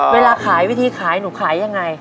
เวลาขายวิธีขายหนูขายยังไง